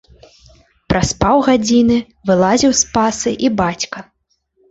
Праз паўгадзіны вылазіў з пасы і бацька.